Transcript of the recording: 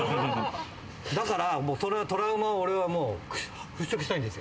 だから、そのトラウマを払拭したいんですよ。